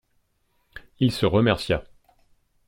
Il se remercia.